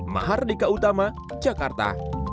mahardika utama jakarta